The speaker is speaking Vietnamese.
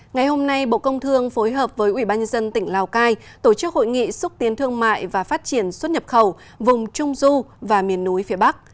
ngày hôm nay bộ công thương phối hợp với ủy ban nhân dân tỉnh lào cai tổ chức hội nghị xúc tiến thương mại và phát triển xuất nhập khẩu vùng trung du và miền núi phía bắc